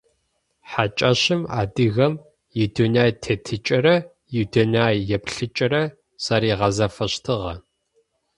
Хьакӏэщым адыгэм идунэететыкӏэрэ идунэееплъыкӏэрэ зэригъэзафэщтыгъэ.